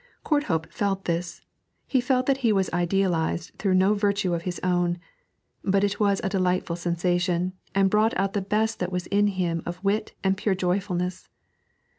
Courthope felt this he felt that he was idealised through no virtue of his own; but it was a delightful sensation, and brought out the best that was in him of wit and pure joyfulness.